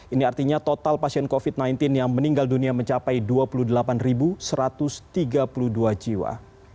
ini artinya total pasien covid sembilan belas yang meninggal dunia mencapai dua puluh delapan satu ratus tiga puluh dua jiwa